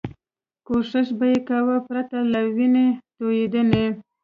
کوښښ به یې کاوه پرته له وینې توېدنې.